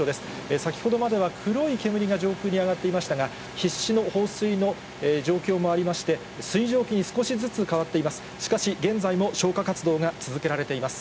先ほどまでは黒い煙が上空に上がっていましたが、必死の放水の状況もありまして、水蒸気に少しずつ変わっています。